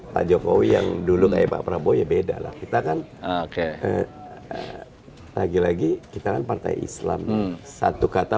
pajokowi yang dulu kayak pak prabowo beda kita kan oke lagi lagi kita partai islam satu kata